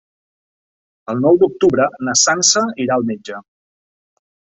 El nou d'octubre na Sança irà al metge.